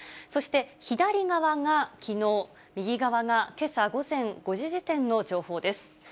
そして、左側がきのう、右側がけさ午前５時時点の情報です。